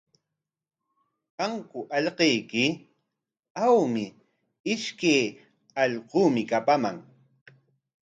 ¿Kanku allquyki? Awmi, ishkay allquumi kapaman.